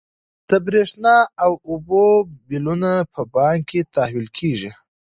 د برښنا او اوبو بلونه په بانک کې تحویل کیږي.